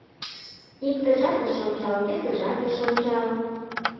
Иктыжат ыш ончал, весыжат ыш ончал.